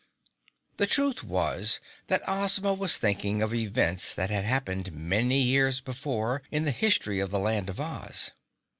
The truth was that Ozma was thinking of events that had happened many years before in the history of the Land of Oz.